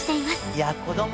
いや子ども